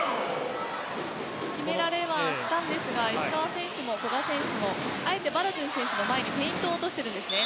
決められはしたんですが石川選手も古賀選手もあえてバラドゥン選手の前にフェイントを落としているんですね。